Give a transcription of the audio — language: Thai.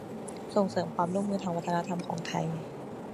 ส่งเสริมความร่วมมือทางวัฒนธรรมของไทย